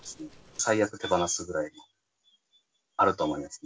最悪手放すぐらいあると思いますね。